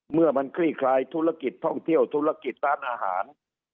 เมื่อมันคลี่คลายธุรกิจท่องเที่ยวธุรกิจร้านอาหาร